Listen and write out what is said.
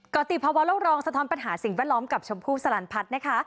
กรติภาวะโลกรองสะท้อนปัญหาสิ่งแวดล้อมกับชมพู่สลันพัฒน์นะคะ